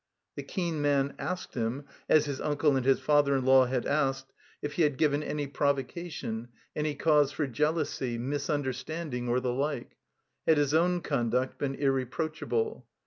The keen man asked him, as his tmcle and his father ia law had asked, if he had given any provocation, any cause for jealousy, misunderstanding, or the like.^ Had his own conduct been irreproachable?